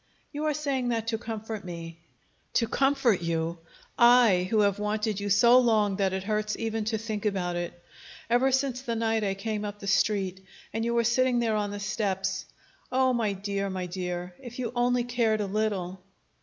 "You are saying that to comfort me." "To comfort you! I who have wanted you so long that it hurts even to think about it! Ever since the night I came up the Street, and you were sitting there on the steps oh, my dear, my dear, if you only cared a little!"